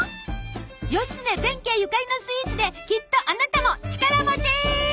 義経弁慶ゆかりのスイーツできっとあなたも力持ち！